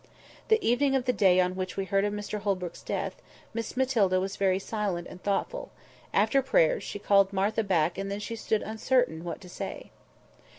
The evening of the day on which we heard of Mr Holbrook's death, Miss Matilda was very silent and thoughtful; after prayers she called Martha back and then she stood uncertain what to say.